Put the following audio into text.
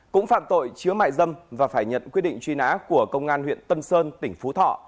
cũng phạm tội chứa mại dâm và phải nhận quyết định truy nã của công an huyện tân sơn tỉnh phú thọ